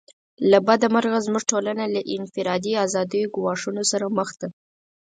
له بده مرغه زموږ ټولنه له انفرادي آزادیو ګواښونو سره مخ ده.